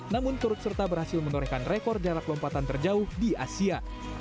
namun turut serta berhasil menorehkan rekor jarak lompatan terjauh di asia